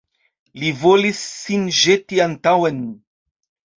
Li volis sin ĵeti antaŭen.